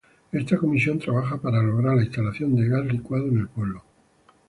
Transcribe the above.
Esta comisión trabaja para lograr la instalación de gas licuado en el pueblo.